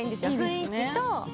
雰囲気と。